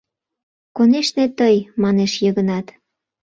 — Конешне, тый! — манеш Йыгнат.